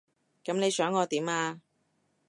噉你想我點啊？